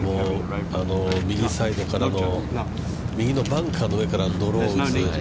右サイドからの右のバンカーの上からドローを打つ。